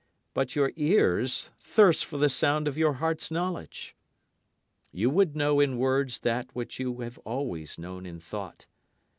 But your ears thirst for the sound of your heart's knowledge. You would know in words that which you have always known in thought.